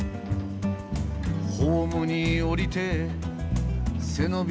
「ホームに降りて背伸びをすれば」